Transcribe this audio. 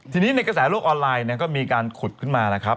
ทีนี้ในกระแสโลกออนไลน์ก็มีการขุดขึ้นมานะครับ